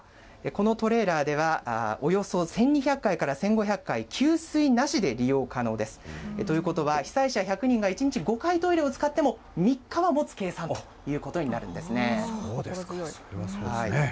このトレーラーでは、およそ１２００回から１５００回、給水なしで利用可能です。ということは、被災者１００人が１日５回トイレを使っても、３日はもつ計算といそうですか。